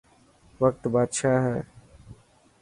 وقت بادشاهه هي.